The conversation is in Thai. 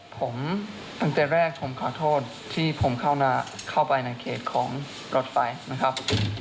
ผมตั้งแต่แรกผมขอโทษที่ผมเข้าไปในเขตของรถไฟนะครับ